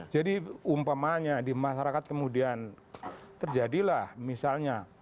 jadi umpamanya di masyarakat kemudian terjadilah misalnya